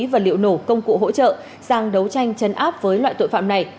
và liệu nổ công cụ hỗ trợ sang đấu tranh chấn áp với loại tội phạm này